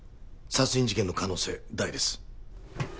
殺人事件の可能性大です。